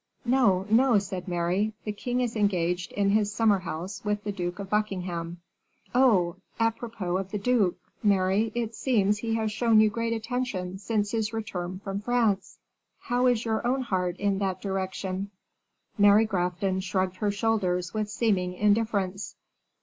"No, no," said Mary, "the king is engaged in his summer house with the Duke of Buckingham." "Oh! a propos of the duke, Mary, it seems he has shown you great attention since his return from France; how is your own heart in that direction?" Mary Grafton shrugged her shoulders with seeming indifference.